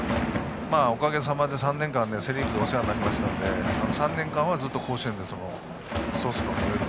おかげさまで３年間セ・リーグでお世話になったので３年間は、ずっと甲子園でソースのにおいを。